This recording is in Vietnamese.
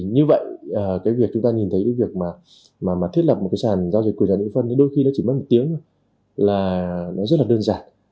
như vậy việc chúng ta nhìn thấy việc thiết lập một sàn giao dịch của nhà mỹ vân đôi khi chỉ mất một tiếng là rất đơn giản